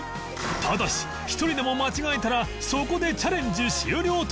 ただし１人でも間違えたらそこでチャレンジ終了となる